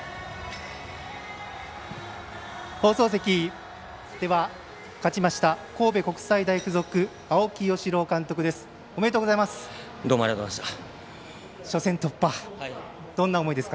放送席、勝ちました神戸国際大付属青木尚龍監督です。